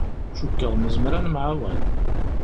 Cukkeɣ nezmer ad nemεawan.